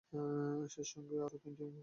সেই সঙ্গে আরও তিনটি মূর্তিও খোদিত আছে।